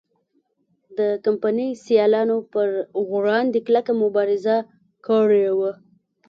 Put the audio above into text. د کمپنۍ سیالانو پر وړاندې کلکه مبارزه کړې وه.